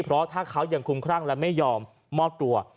เพราะถ้าเขายังคุ้มครั่งและไม่ยอมมอบตัว